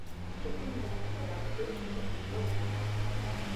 Шектүү менен кошо дагы төрт киши камакка алынган.